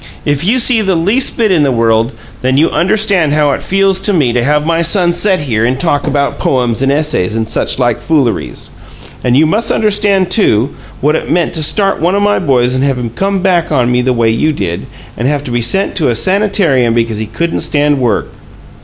"If you see the least bit in the world, then you understand how it feels to me to have my son set here and talk about 'poems and essays' and such like fooleries. And you must understand, too, what it meant to start one o' my boys and have him come back on me the way you did, and have to be sent to a sanitarium because he couldn't stand work.